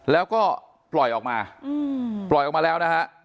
แล้วก็ปล่อยออกมาปล่อยออกมาแล้วนะฮะ